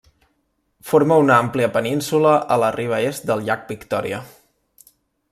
Forma una àmplia península a la riba est del llac Victòria.